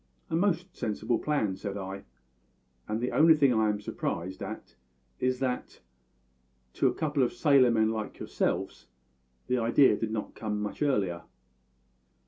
"A most sensible plan," said I, "and the only thing I am surprised at is that, to a couple of sailor men like yourselves, the idea did not come much earlier."